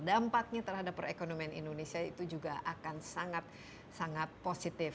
dampaknya terhadap perekonomian indonesia itu juga akan sangat sangat positif